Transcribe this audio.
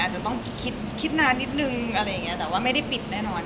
จะต้องคิดนานนิดนึงแต่ว่าไม่ได้ปิดแน่นอน